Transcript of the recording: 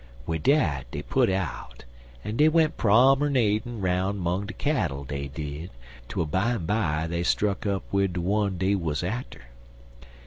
"Wid dat dey put out, en dey went promernadin' 'roun' 'mong de cattle, dey did, twel bimeby dey struck up wid de one dey wuz atter.